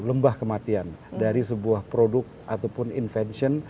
lembah kematian dari sebuah produk ataupun invention